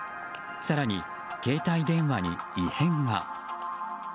更に、携帯電話に異変が。